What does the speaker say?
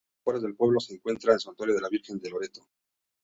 En las afueras del pueblo se encuentra el santuario de la Virgen de Loreto.